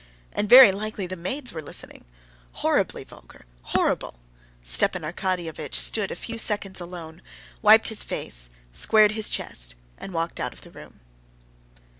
"And very likely the maids were listening! Horribly vulgar! horrible!" Stepan Arkadyevitch stood a few seconds alone, wiped his face, squared his chest, and walked out of the room.